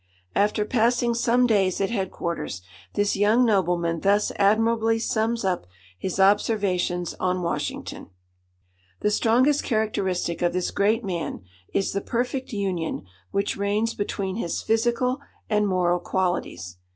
After passing some days at head quarters, this young nobleman thus admirably sums up his observations on Washington:— "The strongest characteristic of this great man is the perfect union which reigns between his physical and moral qualities.